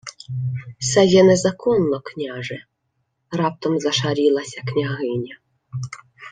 — Се є незаконно, княже, — раптом зашарілася княгиня.